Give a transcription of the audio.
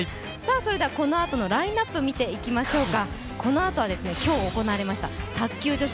このあとのラインナップ、見ていきましょうか。